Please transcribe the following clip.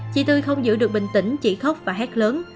chị tươi không giữ được bình tĩnh chỉ khóc và hét lớn